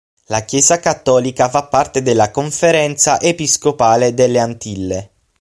La Chiesa cattolica fa parte della Conferenza Episcopale delle Antille.